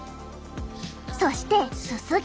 そしてすすぎ。